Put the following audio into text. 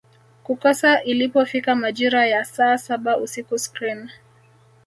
kukosa ilipofika majira ya saa saba usiku screen